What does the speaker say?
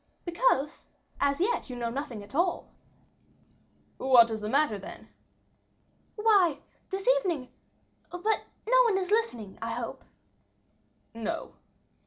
"Because, as yet you know nothing at all." "What is the matter, then?" "Why, this evening but no one is listening, I hope?" "No."